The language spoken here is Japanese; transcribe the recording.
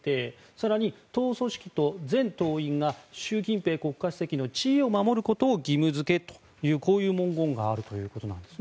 更に、党組織と全党員が習近平国家主席の地位を守ることを義務付けるというこういう文言があるということです。